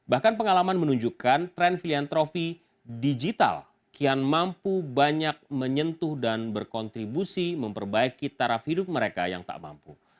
bahkan pengalaman menunjukkan tren filantrofi digital kian mampu banyak menyentuh dan berkontribusi memperbaiki taraf hidup mereka yang tak mampu